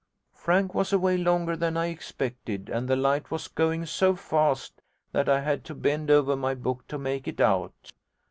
Frank was away longer than I expected, and the light was going so fast that I had to bend over my book to make it out.